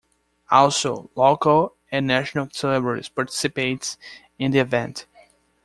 Also, local and national celebrities participates in the event.